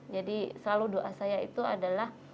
jadi selalu doa saya itu adalah